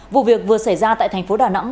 vụ việc vừa xảy ra tại thành phố đà nẵng